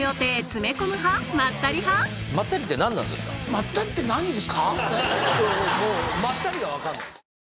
まったりって何ですか？